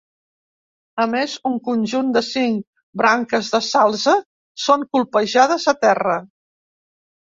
A més, un conjunt de cinc branques de salze són colpejades a terra.